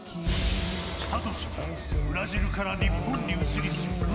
サトシがブラジルから日本に移り住み